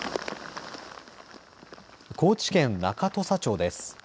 高知県中土佐町です。